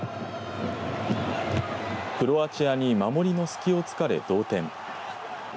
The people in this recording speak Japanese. クロアチアに守りの隙をつかれ同点。